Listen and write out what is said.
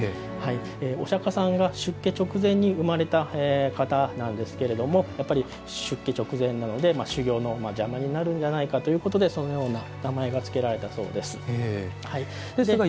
お釈迦さんが出家直前に生まれた方なんですけれども出家直前なので修行の邪魔になるんじゃないかということでそのような名前が付けられたようです。